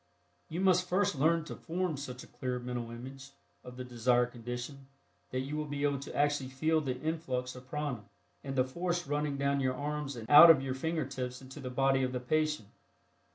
You must first learn to form such a clear mental image of the desired condition that you will be able to actually feel the influx of prana, and the force running down your arms and out of your finger tips into the body of the patient.